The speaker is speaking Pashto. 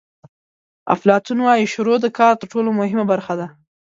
افلاطون وایي شروع د کار تر ټولو مهمه برخه ده.